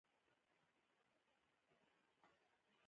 افغانستان د دښتې د ساتنې لپاره قوانین لري.